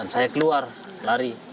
saya keluar lari